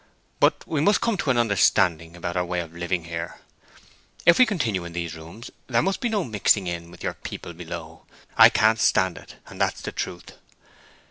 But we must come to an understanding about our way of living here. If we continue in these rooms there must be no mixing in with your people below. I can't stand it, and that's the truth."